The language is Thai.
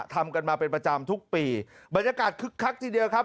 ทำกันมาเป็นประจำทุกปีบรรยากาศคึกคักทีเดียวครับ